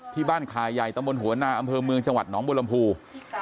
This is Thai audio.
ที่บ้านคาใหญ่ตำบลหัวนาอำเภอเมืองจังหวัดหนองบุรมภู